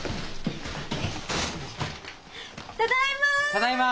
ただいま！